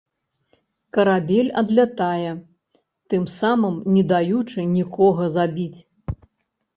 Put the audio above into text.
Карабель адлятае, тым самым не даючы нікога забіць.